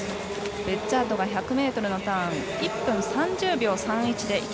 ベッジャートが１００ｍのターン１分３０秒３１。